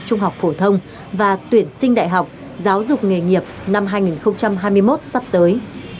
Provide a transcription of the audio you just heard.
trung học phổ thông và tuyển sinh đại học giáo dục nghề nghiệp năm hai nghìn hai mươi một sắp tới